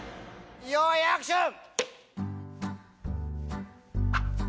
よいアクション！